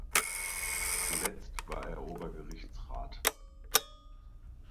Zuletzt war er Obergerichtsrat.